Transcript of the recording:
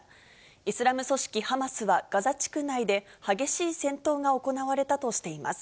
イスラム組織ハマスはガザ地区内で激しい戦闘が行われたとしています。